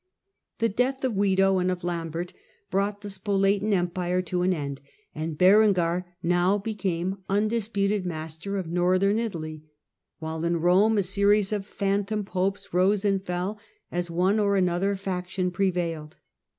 The death of Wido and of Lambert brought the Spoletan Empire to an end, and Berengar now became undisputed master of Northern Italy, while in Rome a series of phantom Popes rose and fell as one or another faction prevailed.